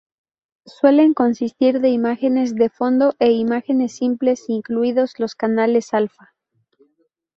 Suelen consistir de imágenes de fondo e imágenes simples, incluidos los canales alfa.